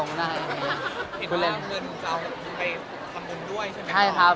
คุณเล่นคุณว่าเงินจะเอาไปทำบุญด้วยใช่ไหมครับ